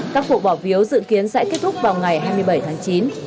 các cuộc bỏ phiếu dự kiến sẽ kết thúc vào ngày hai mươi bảy tháng chín